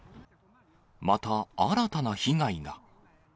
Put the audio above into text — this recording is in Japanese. また、新たな被害が。